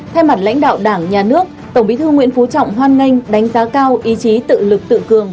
thay mặt lãnh đạo đảng nhà nước tổng bí thư nguyễn phú trọng hoan nghênh đánh giá cao ý chí tự lực tự cường